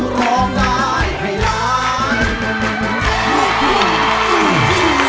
ร้องได้ให้ร้อง